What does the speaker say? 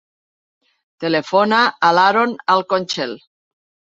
Telefona a l'Aron Alconchel.